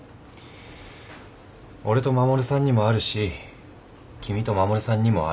俺と衛さんにもあるし君と衛さんにもある。